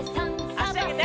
あしあげて。